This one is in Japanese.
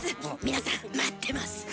皆さん待ってます。